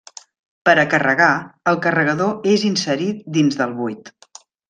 Per a carregar, el carregador és inserit dins del buit.